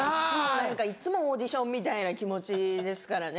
いつもオーディションみたいな気持ちですからね。